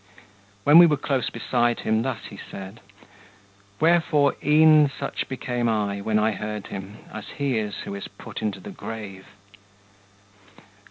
When we were close beside him thus he said; Wherefore e'en such became I, when I heard him, As he is who is put into the grave.